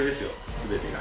全てが。